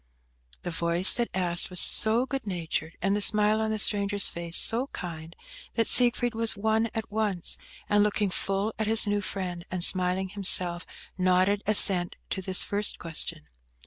The voice that asked was so good natured, and the smile on the stranger's face so kind, that Siegfried was won at once, and looking full at his new friend, and smiling himself, nodded ascent to this first question.